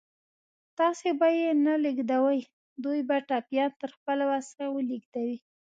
تاسې به یې نه لېږدوئ، دوی به ټپيان تر خپل وسه ولېږدوي.